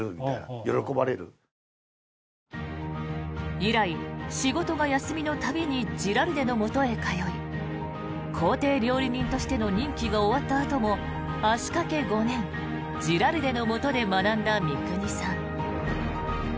以来、仕事が休みの度にジラルデのもとへ通い公邸料理人としての任期が終わったあとも足掛け５年、ジラルデのもとで学んだ三國さん。